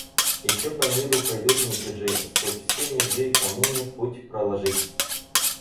Еще по миру пройдут мятежи — сквозь все межи коммуне путь проложить.